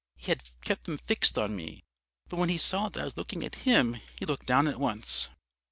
He had kept them fixed on me, but when he saw that I was looking at him, he looked down at once.